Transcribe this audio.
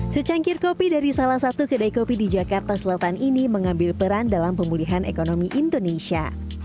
secangkir kopi dari salah satu kedai kopi di jakarta selatan ini mengambil peran dalam pemulihan ekonomi indonesia